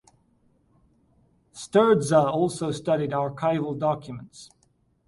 Sturdza also studied archival documents.